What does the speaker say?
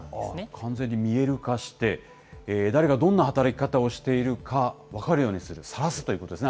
完全に見える化して、誰がどんな働き方をしているか、分かるようにする、さらすってことですね。